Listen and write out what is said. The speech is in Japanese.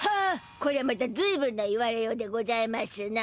こりゃまたずいぶんな言われようでございますな。